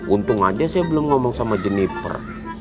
untung aja saya belum ngomong sama jenniper